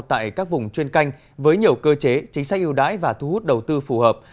tại các vùng chuyên canh với nhiều cơ chế chính sách ưu đãi và thu hút đầu tư phù hợp